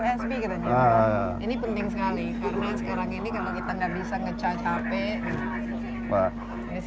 karena sekarang ini kalau kita nggak bisa ngecharge hp